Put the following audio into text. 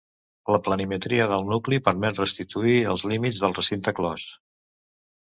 La planimetria del nucli permet restituir els límits del recinte clos.